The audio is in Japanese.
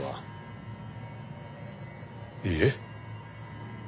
いいえ。